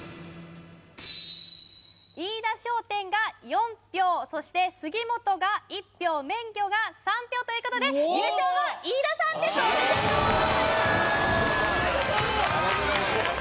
飯田商店が４票そしてすぎ本が１票麺魚が３票ということで優勝は飯田さんですおめでとうございまーす！ありがとうございます